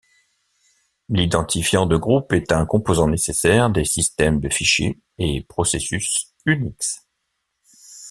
L'identifiant de groupe est un composant nécessaire des systèmes de fichiers et processus Unix.